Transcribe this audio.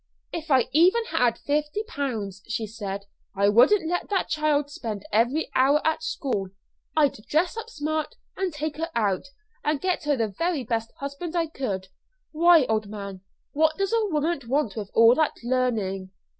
"If I even had fifty pounds," she said, "I wouldn't let that child spend every hour at school. I'd dress up smart, and take her out, and get her the very best husband I could. Why, old man, what does a woman want with all that learning?"